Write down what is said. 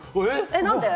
何で？